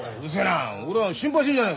俺は心配してんじゃねえかよ。